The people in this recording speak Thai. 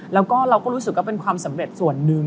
แล้วก็เราก็รู้สึกว่าเป็นความสำเร็จส่วนหนึ่ง